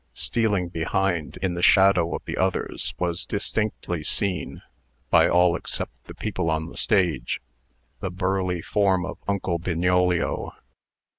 Stealing behind, in the shadow of the others, was distinctly seen (by all except the people on the stage) the burly form of Uncle Bignolio.